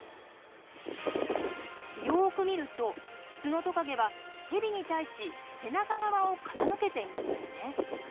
よく見るとツノトカゲはヘビに対し背中側を傾けていますよね。